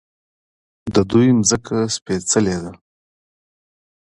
د دوی ځمکه سپیڅلې ده.